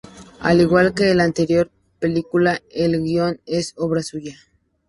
Al igual que en la anterior película, el guion es obra suya.